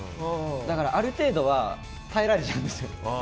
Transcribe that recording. だから、ある程度は耐えられちゃうんですよ。